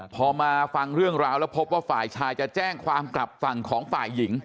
พอมาฟังเรื่องราวแล้วพบว่าฝ่ายชายจะแจ้งความกลับฝั่งของฝ่ายหญิง